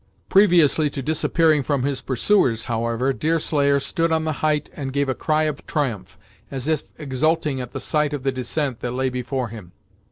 Previously to disappearing from his pursuers, however, Deerslayer stood on the height and gave a cry of triumph, as if exulting at the sight of the descent that lay before him.